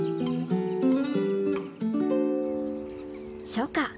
初夏。